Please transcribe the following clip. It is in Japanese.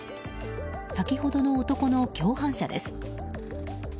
先ほどの男の共犯者です。